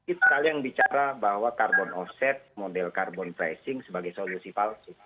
itu kalian bicara bahwa karbon offset model karbon pricing sebagai solusi palsu